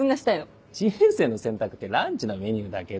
人生の選択ってランチのメニューだけで。